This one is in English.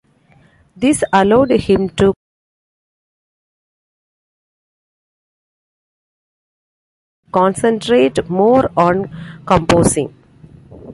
This allowed him to concentrate more on composing.